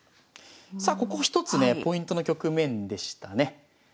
さあここ一つねポイントの局面でしたね。